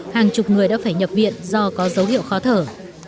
hàng chục người đã phải nhập viện do có dấu hiệu khó thở